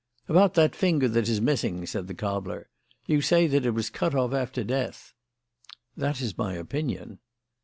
"About that finger that is missing," said the cobbler. "You say that it was cut off after death." "That is my opinion."